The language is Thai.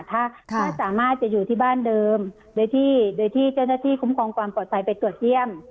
ถ้าสามารถจะอยู่ที่บ้านเดิมโดยที่โดยที่เจ้าหน้าที่คุ้มครองความปลอดภัยไปตรวจเยี่ยม